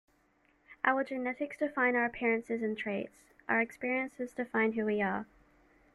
Our genetics define our appearances and traits. Our experiences define who we are.